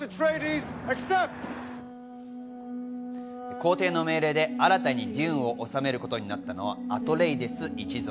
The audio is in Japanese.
皇帝の命令で新たにデューンを納めることになったのはアトレイデス一族。